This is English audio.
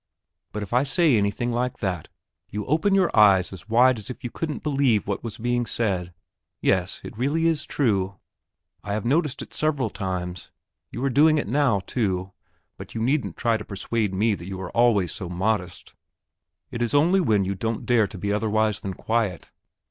But if I say anything like that, you open your eyes as wide as if you couldn't believe what was being said. Yes, it is really true; I have noticed it several times; you are doing it now, too; but you needn't try to persuade me that you are always so modest; it is only when you don't dare to be otherwise than quiet.